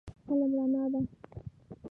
علم رڼا ده.